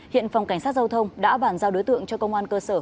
hiện phòng cảnh sát giao thông đã bàn giao đối tượng cho công an cơ sở